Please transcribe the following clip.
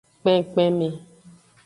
Kpenkpenme.